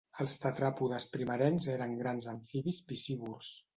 Els tetràpodes primerencs eren grans amfibis piscívors.